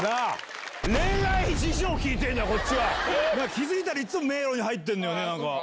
気付いたらいっつも迷路に入ってんのよね。